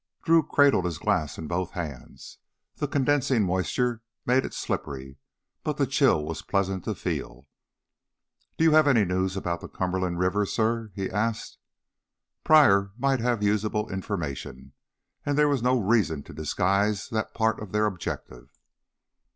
Drew cradled his glass in both hands. The condensing moisture made it slippery, but the chill was pleasant to feel. "Do you have any news about the Cumberland River, suh?" he asked. Pryor might have usable information, and there was no reason to disguise that part of their objective.